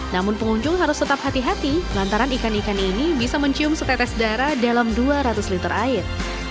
namun pengunjung harus tetap hati hati lantaran ikan ikan ini bisa mencium setetes darah dalam dua ratus liter air